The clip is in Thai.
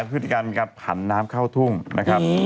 พฤติกรรมการผันน้ำเข้าทุ่งนะครับ